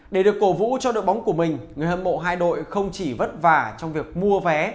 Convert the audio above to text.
để được cổ vũ cho đội bóng của mình người hâm mộ hai đội không chỉ vất vả trong việc mua vé